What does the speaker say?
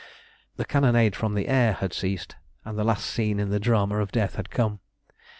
The cannonade from the air had ceased, and the last scene in the drama of death had come.